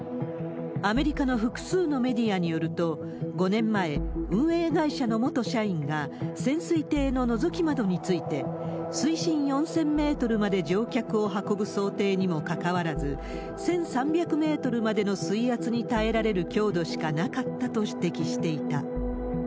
アメリカの複数のメディアによると、５年前、運営会社の元社員が、潜水艇ののぞき窓について、水深４０００メートルまで乗客を運ぶ想定にもかかわらず、１３００メートルまでの水圧に耐えられる強度しかなかったと指摘していた。